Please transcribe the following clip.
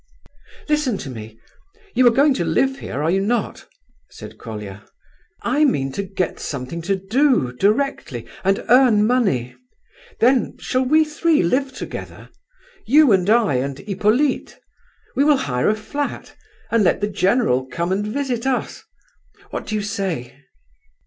"Listen to me! You are going to live here, are you not?" said Colia. "I mean to get something to do directly, and earn money. Then shall we three live together? You, and I, and Hippolyte? We will hire a flat, and let the general come and visit us. What do you say?"